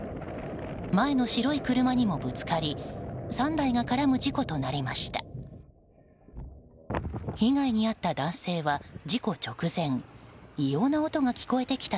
前の白い車にもぶつかり３台が絡む事故となりました。